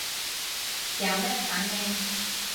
有咩反應